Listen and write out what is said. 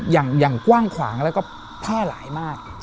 อย่างกว้างขวางแล้วก็แพร่หลายมาก